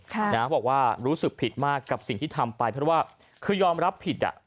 เขาบอกว่ารู้สึกผิดมากกับสิ่งที่ทำไปเพราะว่าคือยอมรับผิดอ่ะ